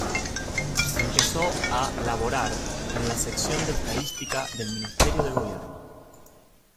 Empezó a laborar en la sección de Estadística del Ministerio de Gobierno.